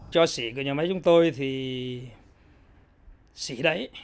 cho xỉ của nhà máy chúng tôi thì sĩ đấy